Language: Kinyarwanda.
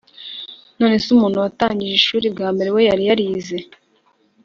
Nonese umuntu watangije ishuri bwambere we yari yarize